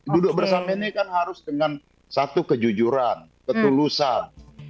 duduk bersama ini kan harus dengan satu kejujuran ketulusan